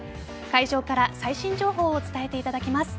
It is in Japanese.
会場から最新情報を伝えていただきます。